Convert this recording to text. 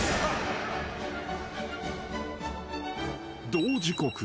［同時刻